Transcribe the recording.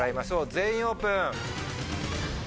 全員オープン！